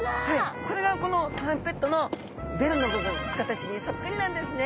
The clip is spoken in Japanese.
これがトランペットのベルの部分の形にそっくりなんですね。